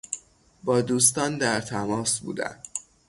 با دوستان در تماس بودن